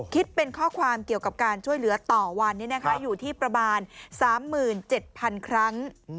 คิดเป็นข้อความเกี่ยวกับการช่วยเหลือต่อวันอยู่ที่ประมาณ๓๗๐๐๐ครั้ง